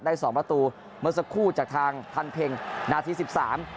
สองประตูเมื่อสักครู่จากทางพันเพ็งนาทีสิบสาม